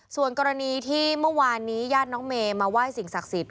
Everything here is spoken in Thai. ส่วนกรณีที่เมื่อวานนี้ญาติน้องเมย์มาไหว้สิ่งศักดิ์สิทธิ